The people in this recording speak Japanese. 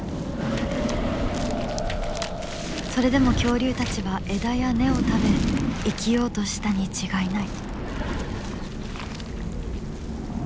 それでも恐竜たちは枝や根を食べ生きようとしたに違いない。